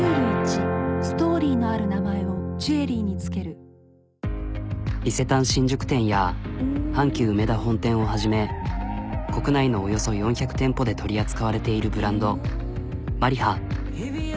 こうや阪急うめだ本店をはじめ国内のおよそ４００店舗で取り扱われているブランドＭＡＲＩＨＡ。